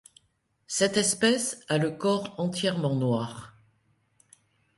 Cette espèce a le corps entièrement noir.